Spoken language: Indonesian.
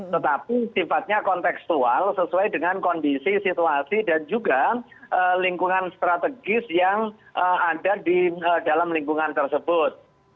tetapi sifatnya konteksual sesuai dengan kondisi situasi dan juga lingkungan strategis yang ada di dalam lingkungan tersebut